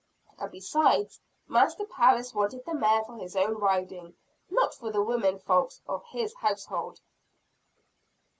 And, besides, Master Parris wanted the mare for his own riding, not for the women folks of his household.